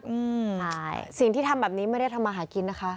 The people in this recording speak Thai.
อืมใช่สิ่งที่ทำแบบนี้ไม่ได้ทำมาหากินนะคะ